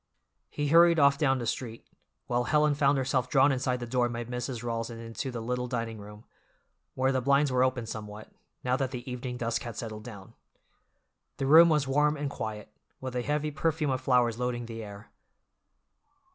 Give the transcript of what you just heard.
He hurried off down the street, while Helen found herself drawn inside the door by Mrs. Rawls and into the little dining room, where the blinds were open somewhat, now that the evening dusk had settled down. The room was warm and quiet, with a heavy perfume of flowers loading the air.